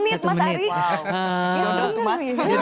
satu menit mas ari